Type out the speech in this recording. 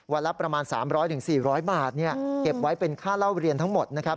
วันละประมาณ๓๐๐ถึง๔๐๐บาทเก็บไว้เป็นค่าเหล้าเรียนทั้งหมด